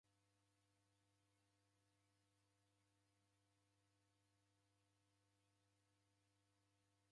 Uja muka waidie matiriro mengi ela Mlungu wachemfunya aho.